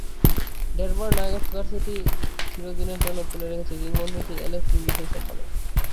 Denver Nuggets জার্সিটি চিরদিনের জন্য তুলে রেখেছে কিংবদন্তি অ্যালেক্স ইংলিশের সম্মানে।